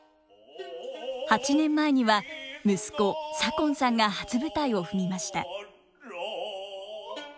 ８年前には息子左近さんが初舞台を踏みました。